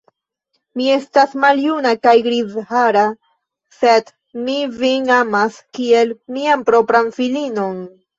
Mi estas maljuna kaj grizhara, sed mi vin amas kiel mian propran filinon.